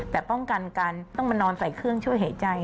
แต่ป้องกันการต้องมานอนใส่เครื่องช่วยหายใจ